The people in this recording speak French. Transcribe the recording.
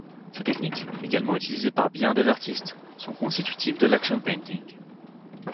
Ces techniques, également utilisées par bien des artistes, sont constitutives de l'Action painting.